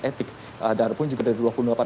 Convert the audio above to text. etik ada pun juga ada dua puluh delapan